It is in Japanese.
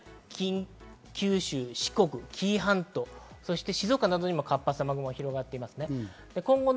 九州、四国、紀伊半島、そして、静岡などにも活発な雨雲が広がっています。